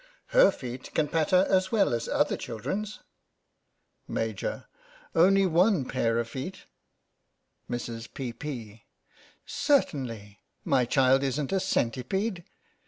Her feet can patter as well as other children's. Maj\ : Only one pair of feet. Mrs. P. 'P.: Certainly. My child isn't a centipede.